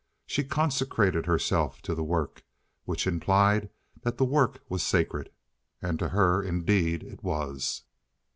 She consecrated herself to the work, which implied that the work was sacred. And to her, indeed, it was.